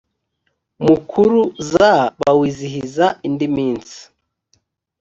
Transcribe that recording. mukuru z bawizihiza indi minsi